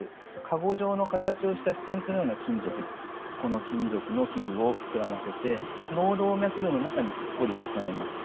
カゴ状の形をしたステントのような金属この金属の器具を膨らませて脳動脈瘤の中にすっぽり収めます。